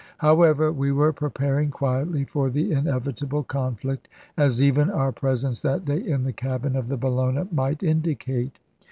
However, we were preparing quietly for the inevitable conflict, as even our presence that day in the cabin of the Bellona might indicate.